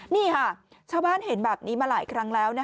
นี่ค่ะชาวบ้านเห็นแบบนี้มาหลายครั้งแล้ว